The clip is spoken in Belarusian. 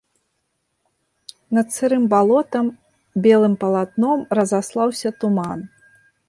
Над сырым балотам белым палатном разаслаўся туман.